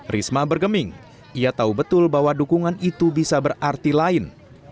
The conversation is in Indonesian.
risma bergeming ia tahu betul bahwa dukungan itu bisa berarti lain